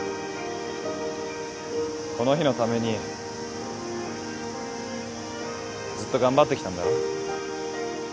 この日のためにずっと頑張ってきたんだろ？